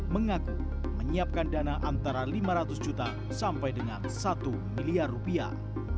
mengaku menyiapkan dana antara lima ratus juta sampai dengan satu miliar rupiah